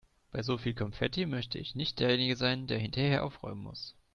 Bei so viel Konfetti möchte ich nicht derjenige sein, der hinterher aufräumen muss.